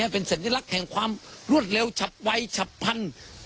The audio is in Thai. เป็นสัญลักษณ์แห่งความรวดเร็วฉับไวฉับพันธุ์